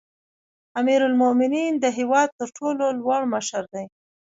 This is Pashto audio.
امیرالمؤمنین د هیواد تر ټولو لوړ مشر دی